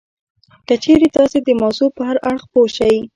که چېرې تاسې د موضوع په هر اړخ پوه شئ